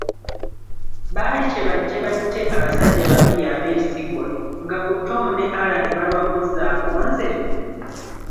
Baali kyebajje batte abasajja babiri abeesigwa, nga ku Tom ne Allan balwa kuzzaako nze?